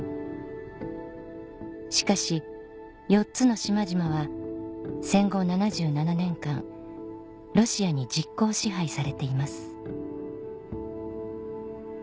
しかし４つの島々は戦後７７年間ロシアに実効支配されています